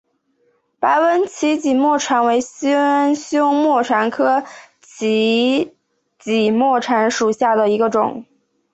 白纹歧脊沫蝉为尖胸沫蝉科歧脊沫蝉属下的一个种。